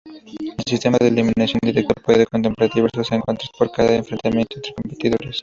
El sistema de eliminación directa puede contemplar diversos encuentros por cada enfrentamiento entre competidores.